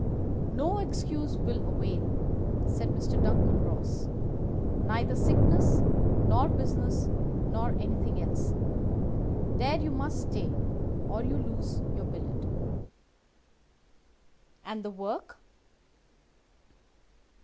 "'No excuse will avail,' said Mr. Duncan Ross; 'neither sickness nor business nor anything else. There you must stay, or you lose your billet.' "'And the work?